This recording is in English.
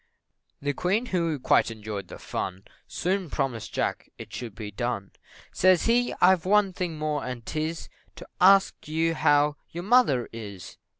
The Queen, who quite enjoyed the fun, Soon promised Jack it should be done, Says he, "I've one thing more, and 'tis, To ax you how your mother is?"